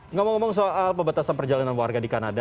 ngomong ngomong soal pembatasan perjalanan warga di kanada